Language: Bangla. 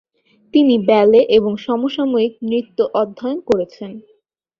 তিনি ব্যালে এবং সমসাময়িক নৃত্য অধ্যয়ন করেছেন।